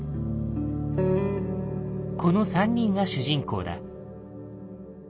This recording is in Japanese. この３人が主人公だ。